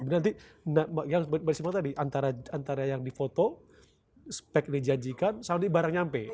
nanti yang bede sebutkan tadi antara yang difoto spek yang dijajikan sampai barang nyampe